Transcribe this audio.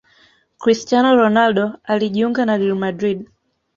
Cristiano Ronaldo alijuinga na Real Madrid